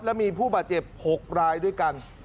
และมีผู้บาดเจ็บ๖รายด้วยกัน